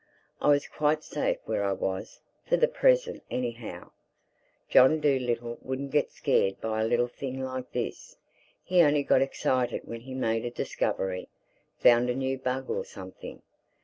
I was quite safe where I was—for the present anyhow. John Dolittle wouldn't get scared by a little thing like this. He only got excited when he made a discovery, found a new bug or something.